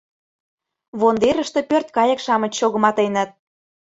Вондерыште пӧрткайык-шамыч чогыматеныт.